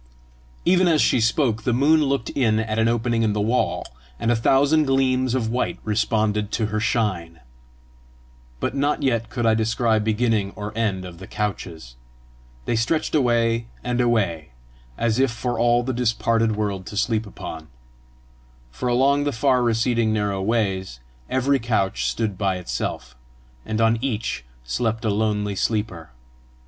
Even as she spoke the moon looked in at an opening in the wall, and a thousand gleams of white responded to her shine. But not yet could I descry beginning or end of the couches. They stretched away and away, as if for all the disparted world to sleep upon. For along the far receding narrow ways, every couch stood by itself, and on each slept a lonely sleeper.